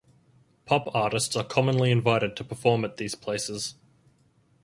Pop artists are commonly invited to perform at these places.